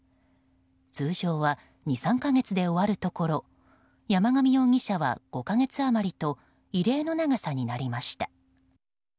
通常は２３か月で終わるところ山上容疑者は５か月余りと異例の長さになりました。